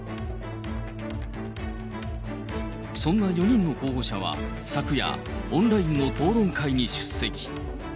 そんな４人の候補者は昨夜、オンラインの討論会に出席。